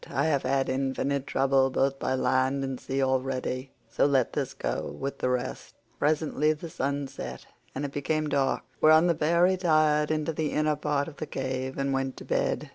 I have had infinite trouble both by land and sea already, so let this go with the rest." Presently the sun set and it became dark, whereon the pair retired into the inner part of the cave and went to bed.